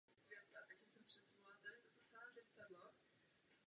Bude pouze pro dobro Evropské unie, když budeme prozíravější.